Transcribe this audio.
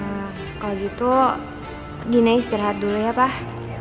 iya pak kalau gitu dina istirahat dulu ya pak